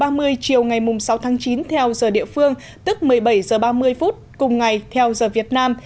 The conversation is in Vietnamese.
một mươi ba h ba mươi chiều ngày sáu tháng chín theo giờ địa phương tức một mươi bảy h ba mươi phút cùng ngày theo giờ việt nam